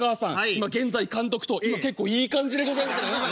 今現在監督と結構いい感じでございますから」。